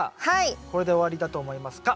これで終わりだと思いますか？